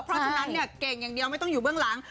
เพราะฉะนั้นเนี่ยเก่งอย่างเดียวไม่ต้องอยู่เบื้องหลัง